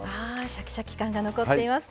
シャキシャキ感が残っています。